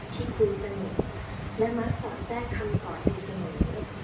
ที่คุยสนิทและมักสอนแทรกคำสอนดูสนุน